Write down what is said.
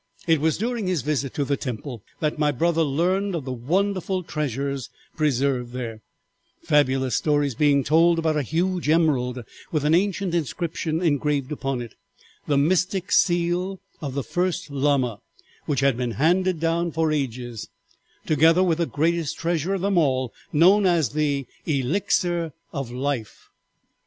"'It was during his visit to the temple that my brother learned of the wonderful treasures preserved there, fabulous stories being told about a huge emerald with an ancient inscription engraved upon it, the mystic seal of the first Lama, which had been handed down for ages, together with the greatest treasure of them all, known as the Elixir of Life.